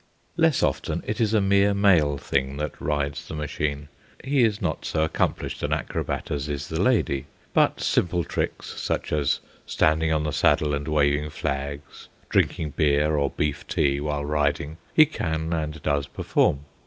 Less often, it is a mere male thing that rides the machine. He is not so accomplished an acrobat as is the lady; but simple tricks, such as standing on the saddle and waving flags, drinking beer or beef tea while riding, he can and does perform.